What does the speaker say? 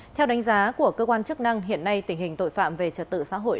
theo đánh giá của cơ quan chức năng hiện nay tình hình tội phạm về trật tự xã hội